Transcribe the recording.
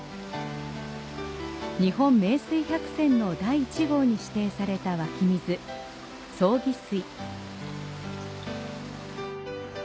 「日本名水百選」の第１号に指定された湧水、宗祇水。